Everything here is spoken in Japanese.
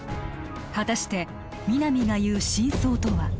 果たして皆実が言う真相とは？